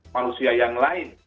manusia yang lain